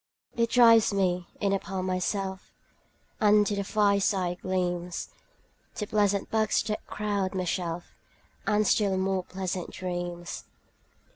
It drives me in upon myself 5 And to the fireside gleams, To pleasant books that crowd my shelf, And still more pleasant dreams.